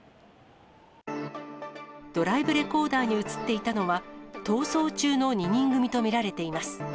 ドライブレコーダーに写っていたのは、逃走中の２人組と見られています。